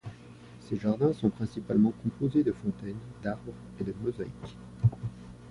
Ces jardins sont principalement composés de fontaines, d’arbres et de mosaïques.